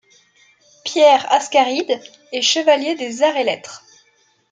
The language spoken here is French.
Pierre Ascaride est Chevalier des Arts et Lettres.